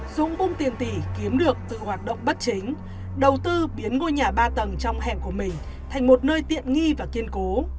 súng cung tiền tỷ kiếm được từ hoạt động bất chính đầu tư biến ngôi nhà ba tầng trong hẻm của mình thành một nơi tiện nghi và kiên cố